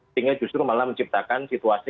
sehingga justru malah menciptakan situasi